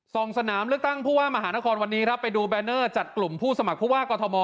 สองสนามเลือกตั้งผู้ว่ามหานครวันนี้ครับไปดูแรนเนอร์จัดกลุ่มผู้สมัครผู้ว่ากอทม